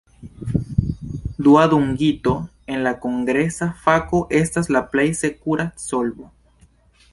Dua dungito en la kongresa fako estas la plej sekura solvo.